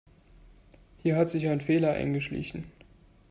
Hier hat sich ein Fehler eingeschlichen.